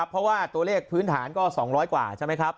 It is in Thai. เพราะว่าตัวเลขพื้นฐานก็๒๐๐กว่าใช่ไหมครับ